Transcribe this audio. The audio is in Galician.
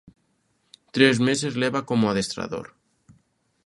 Tres meses leva como adestrador.